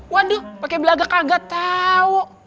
waduh pake belagak kagak tau